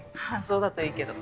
そうだといいけど。